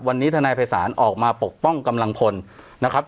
วันนี้ทนายภัยศาลออกมาปกป้องกำลังพลนะครับ